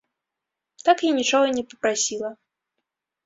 Так я нічога і не папрасіла.